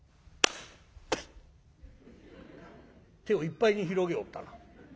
「手をいっぱいに広げおったな。